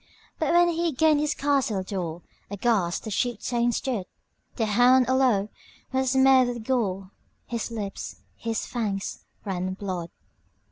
But, when he gained his castle door, Aghast the chieftain stood; The hound all o'er was smeared with gore, His lips, his fangs, ran blood.